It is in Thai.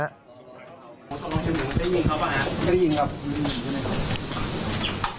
พนักงานบริษัทขนส่งพัสดุเอกชนได้ยินครับหรือเปล่า